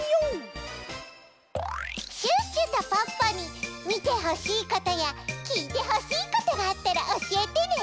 シュッシュとポッポにみてほしいことやきいてほしいことがあったらおしえてね！